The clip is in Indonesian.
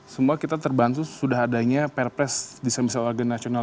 semua kita terbantu sudah adanya purpose di semisal warga nasional